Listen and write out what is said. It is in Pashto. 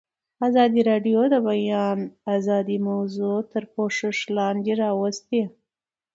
ازادي راډیو د د بیان آزادي موضوع تر پوښښ لاندې راوستې.